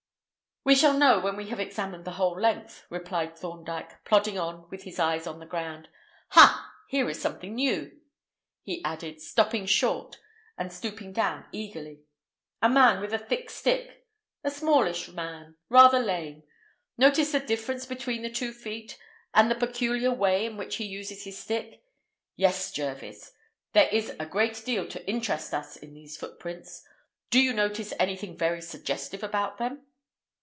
"We shall know when we have examined the whole length," replied Thorndyke, plodding on with his eyes on the ground. "Ha! here is something new," he added, stopping short and stooping down eagerly—"a man with a thick stick—a smallish man, rather lame. Notice the difference between the two feet, and the peculiar way in which he uses his stick. Yes, Jervis, there is a great deal to interest us in these footprints. Do you notice anything very suggestive about them?"